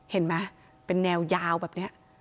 เห็นไหมเป็นแนวยาวแบบนี้